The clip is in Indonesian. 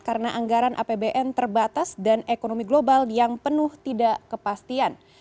karena anggaran apbn terbatas dan ekonomi global yang penuh tidak kepastian